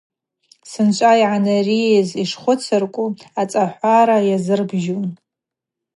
Сынчӏва йгӏанарийыз йшхвыцыркӏву ацӏахӏвара йазыгӏбжьун.